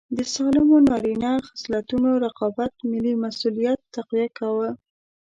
د سالمو نارینه خصلتونو رقابت ملي مسوولیت تقویه کاوه.